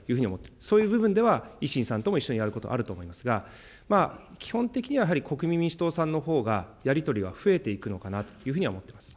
そういう部分では、維新さんとも一緒にやることあると思いますが、基本的にはやはり、国民民主党さんのほうが、やり取りは増えていくのかなというふうには思っています。